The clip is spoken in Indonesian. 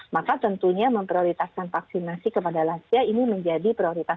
maka tentunya memprioritaskan vaksinasi kepada lansia ini menjadi prioritas